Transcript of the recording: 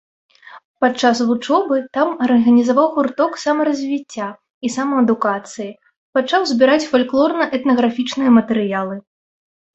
Падчас вучобы там арганізаваў гурток самаразвіцця і самаадукацыі, пачаў збіраць фальклорна-этнаграфічныя матэрыялы.